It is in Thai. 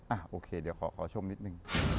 โอเคเดี๋ยวขอชมนิดนึง